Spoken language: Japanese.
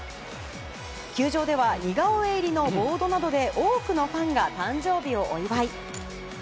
球場では似顔絵入りのボードなどで多くのファンが誕生日をお祝い。